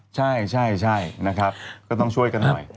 ใช่นะครับก็ต้องช่วยกันหน่อย